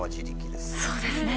そうですね。